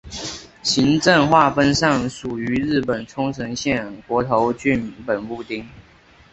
行政划分上属于日本冲绳县国头郡本部町。